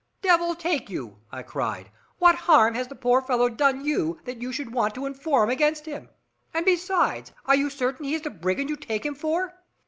"Devil take you!" I cried. "What harm has the poor fellow done you that you should want to inform against him? And besides, are you certain he is the brigand you take him for?"